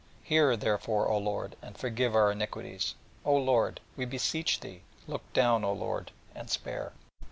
Hear, therefore, O Lord, and forgive our iniquities! O Lord, we beseech Thee! Look down, O Lord, and spare!'